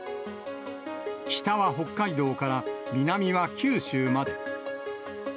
北は北海道から南は九州まで。